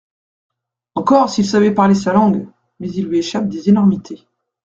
Encore s’il savait parler sa langue !… mais il lui échappe des énormités…